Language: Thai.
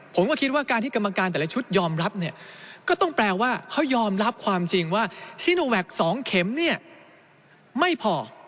ผมก็คิดว่าการที่กรรมการแต่ละชุดยอมรับเนี่ยก็ต้องแปลว่าเขายอมรับความจริงว่าซีโนแวค๒เข็มเนี่ยไม่พอ